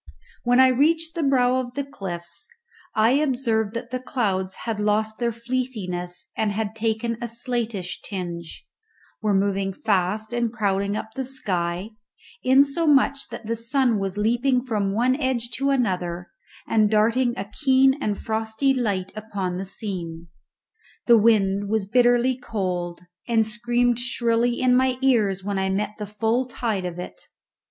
When I reached the brow of the cliffs I observed that the clouds had lost their fleeciness and taken a slatish tinge, were moving fast and crowding up the sky, insomuch that the sun was leaping from one edge to another and darting a keen and frosty light upon the scene. The wind was bitterly cold, and screamed shrilly in my ears when I met the full tide of it.